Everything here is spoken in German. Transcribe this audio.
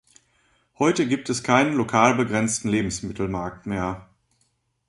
Heute gibt es keinen lokal begrenzten Lebensmittelmarkt mehr.